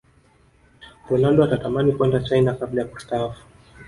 ronaldo atatamani kwenda china kabla ya kustaafu